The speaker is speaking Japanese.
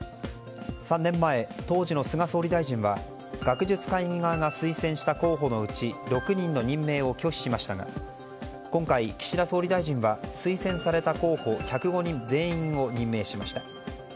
３年前、当時の菅総理大臣は学術会議側が推薦した候補のうち６人の任命を拒否しましたが今回、岸田総理大臣は推薦された候補１０５人全員を任命しました。